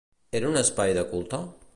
Era un espai de culte?